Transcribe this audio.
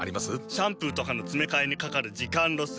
シャンプーとかのつめかえにかかる時間ロス。